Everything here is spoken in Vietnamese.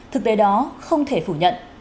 thực tế đó không thể phủ nhận